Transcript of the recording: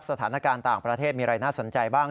สถานการณ์ต่างประเทศมีอะไรน่าสนใจบ้าง